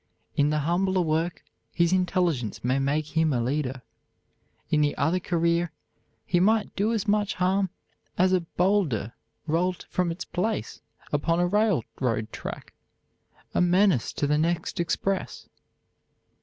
In the humbler work his intelligence may make him a leader; in the other career he might do as much harm as a bowlder rolled from its place upon a railroad track, a menace to the next express.